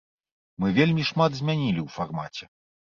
Мы вельмі шмат змянілі ў фармаце.